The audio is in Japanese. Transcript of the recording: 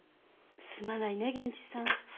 すまないねえ源次さん。